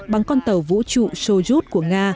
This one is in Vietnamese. bằng con tàu vũ trụ sojus của nga